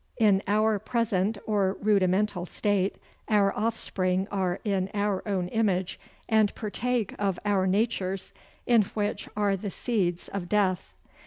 In our present or rudimental state, our offspring are in our own image, and partake of our natures, in which are the seeds of death.